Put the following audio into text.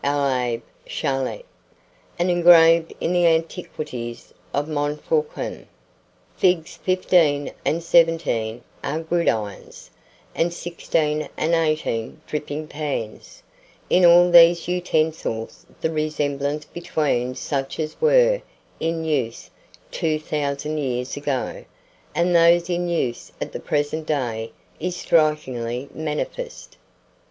l'Abbé Charlet, and engraved in the Antiquities of Montfaucon. Figs. 15 and 17 are gridirons, and 16 and 18 dripping pans. In all these utensils the resemblance between such as were in use 2,000 years ago, and those in use at the present day, is strikingly manifest.